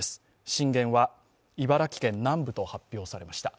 震源は茨城県南部と発表されました。